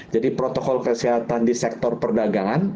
jadi protokol kesehatan di sektor perdagangan